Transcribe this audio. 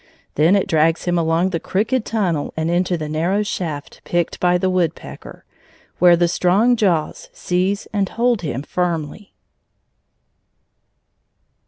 Then it drags him along the crooked tunnel and into the narrow shaft picked by the woodpecker, where the strong jaws seize and hold him firmly.